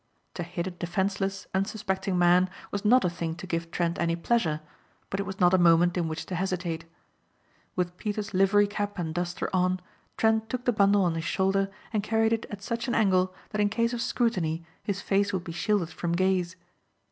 To hit a defenceless, unsuspecting man was not a thing to give Trent any pleasure, but it was not a moment in which to hesitate. With Peter's livery cap and duster on, Trent took the bundle on his shoulder and carried it at such an angle that in case of scrutiny his face would be shielded from gaze.